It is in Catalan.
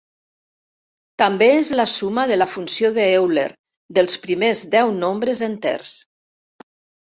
També és la suma de la funció d'Euler dels primers deu nombres enters.